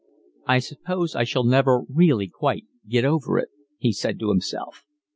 "I suppose I shall never really quite get over it," he said to himself.